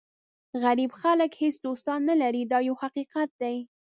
غریب خلک هېڅ دوستان نه لري دا یو حقیقت دی.